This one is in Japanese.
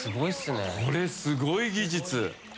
これ、すごい技術。